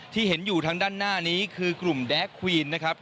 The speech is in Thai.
ที่เห็นอยู่ทางด้านหน้านี้คือกลุ่มแก๊กควีนนะครับ